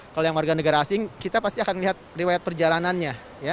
kalau yang warga negara asing kita pasti akan lihat riwayat perjalanannya